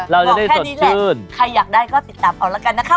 เราจะได้สดชื่นบอกแค่นี้แหละใครอยากได้ก็ติดตามเขาแล้วกันนะคะ